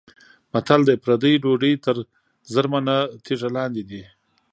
متل دی: پردۍ ډوډۍ تر زرمنه تیږه لاندې ده.